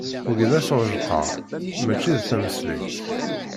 Wayi d asɛujqer, mačči d tameslayt.